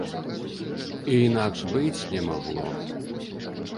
І інакш быць не магло.